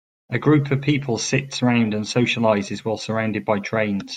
A group of people sits around and socializes while surrounded by trains.